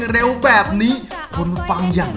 เกิดเสียแฟนไปช่วยไม่ได้นะ